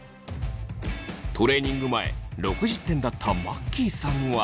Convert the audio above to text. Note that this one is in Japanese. トレーニング前６０点だったマッキーさんは。